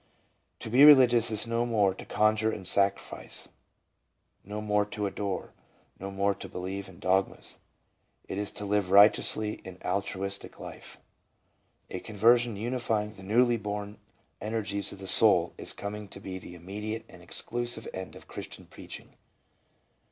To be religious is no more to coDJure and sacrifice, no more to adore, no more to believe in dogmas ; it is to live righteously an altruistic life. A conversion unifying the newly born energies of the soul is coming to be the immediate and exclusive end of Christian preaching.